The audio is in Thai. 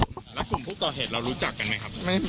แล้วกลุ่มผู้ก่อเหตุเรารู้จักกันไหมครับ